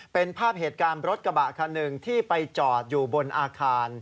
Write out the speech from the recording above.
เป็นภาพเหตุการณ์รถกระบะคันหนึ่งที่ไปจอดอยู่บนอาคาร